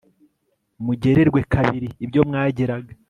mugererwe kabiri ibyo mwageraga